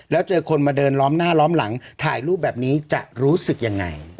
แล้วเจอคนมาเดินล้อมหน้าล้อมหลังถ่ายรูปแบบนี้จะรู้สึกยังไง